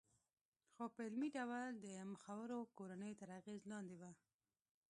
خو په عملي ډول د مخورو کورنیو تر اغېز لاندې وه